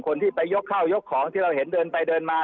คนที่ไปยกข้าวยกของที่เราเห็นเดินไปเดินมา